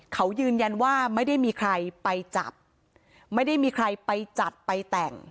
เขายืนยันว่าไม่ได้มีใครไปจับไม่ได้มีใครไปจัดไปแต่ง